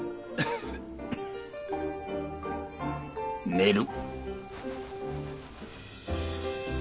寝る。